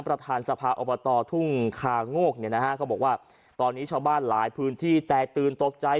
ประธานสภาอบตทุ่งคาโงกเนี่ยนะฮะเขาบอกว่าตอนนี้ชาวบ้านหลายพื้นที่แตกตื่นตกใจ